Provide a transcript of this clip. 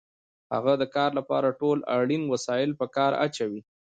هغه د کار لپاره ټول اړین وسایل په کار اچوي